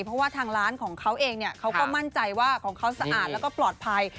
เพราะว่าทางร้านของเขาเองเขาก็มั่นใจว่าของเขาสะอาดแล้วก็ปลอดภัย